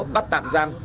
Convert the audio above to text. bắt tặng giam